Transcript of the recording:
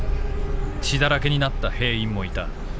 血だらけになった兵員も居た。